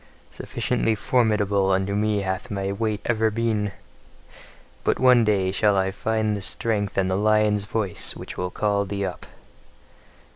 Sufficiently formidable unto me hath thy weight ever been: but one day shall I yet find the strength and the lion's voice which will call thee up!